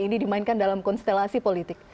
ini dimainkan dalam konstelasi politik